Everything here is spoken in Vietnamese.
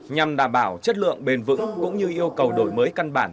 nhằm đảm bảo chất lượng bền vững cũng như yêu cầu đổi mới căn bản